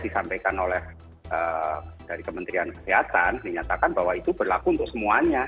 disampaikan oleh dari kementerian kesehatan menyatakan bahwa itu berlaku untuk semuanya